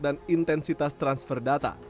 dan intensitas transfer data